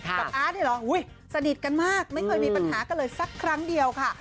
อาร์ตเนี่ยเหรอสนิทกันมากไม่เคยมีปัญหากันเลยสักครั้งเดียวค่ะ